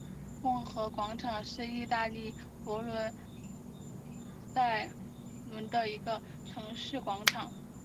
共和广场是意大利佛罗伦萨的一个城市广场。